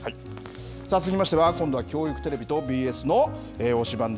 さあ、続きましては今度は教育テレビとＢＳの推しバン！